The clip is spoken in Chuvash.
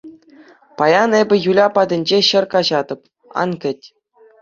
Паян эпӗ Юля патӗнче ҫӗр каҫатӑп, ан кӗт.